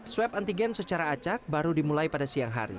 swab antigen secara acak baru dimulai pada siang hari